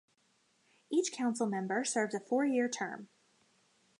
Each councilmember serves a four-year term.